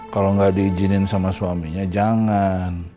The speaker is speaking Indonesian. kalau nggak diizinin sama suaminya jangan